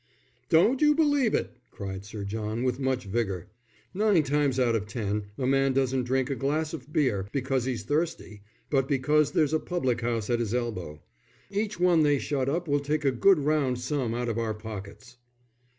"Don't you believe it," cried Sir John, with much vigour. "Nine times out of ten a man doesn't drink a glass of beer because he's thirsty, but because there's a public house at his elbow. Each one they shut up will take a good round sum out of our pockets."